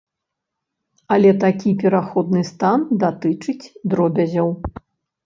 Але такі пераходны стан датычыць дробязяў.